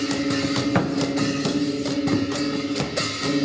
สวัสดีสวัสดี